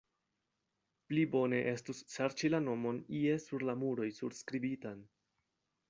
Pli bone estus serĉi la nomon ie sur la muroj surskribitan.